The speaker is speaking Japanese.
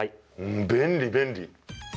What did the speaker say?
便利、便利。